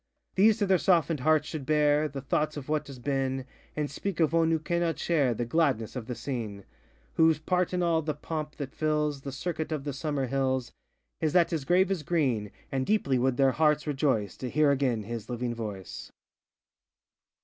These to their softenŌĆÖd hearts should bear The thoughts of what has been, And speak of one who cannot share The gladness of the scene; Whose part in all the pomp that fills The circuit of the summer hills, IsŌĆöthat his grave is green; And deeply would their hearts rejoice To hear again his living voice.